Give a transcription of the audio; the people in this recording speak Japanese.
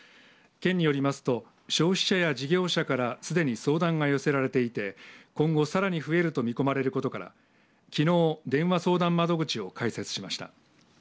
県によりますと消費者や事業者からすでに相談が寄せられていて今後、さらに増えると見込まれることからきのう、電話相談窓口を開設しました。